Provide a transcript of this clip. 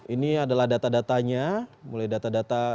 ini adalah data datanya